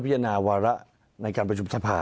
ที่ไม่มีนิวบายในการแก้ไขมาตรา๑๑๒